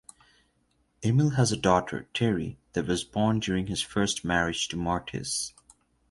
Emil has a daughter, Terri, that was born during his first marriage to Mertis.